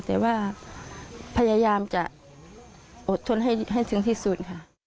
แต่ว่าพยายามจะอดทนให้ถึงที่สุดค่ะ